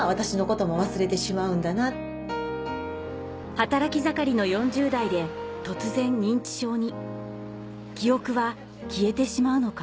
働き盛りの４０代で突然認知症に記憶は消えてしまうのか